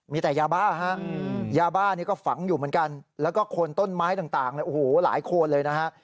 มีแต่ยาบ้าฮะยาบ้านี่ก็ฝังอยู่เหมือนกันแล้วก็โคนต้นไม้ต่างโอ้โหหลายคนเลยนะฮะ